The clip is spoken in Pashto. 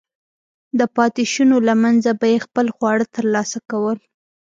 د پاتېشونو له منځه به یې خپل خواړه ترلاسه کول.